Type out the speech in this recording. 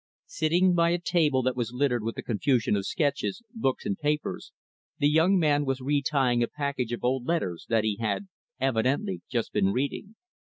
Sitting by a table that was littered with a confusion of sketches, books and papers, the young man was re tying a package of old letters that he had, evidently, just been reading.